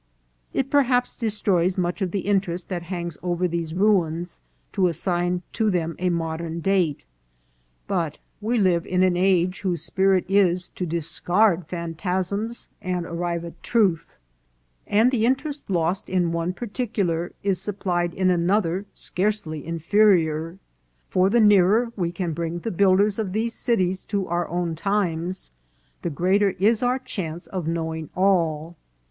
It perhaps destroys much of the interest that hangs over these ruins to assign to them a modern date ; but we live in an age whose spirit is to discard phantasms and arrive at truth, and the interest lost in one partic ular is supplied in another scarcely inferior ; for, the nearer we can bring the builders of these cities to our own times, the greater is our chance of knowing all.